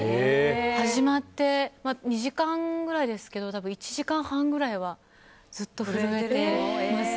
始まって２時間ぐらいですけどたぶん１時間半ぐらいはずっと震えてます。